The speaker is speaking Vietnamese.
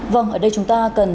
vâng ở đây chúng ta cần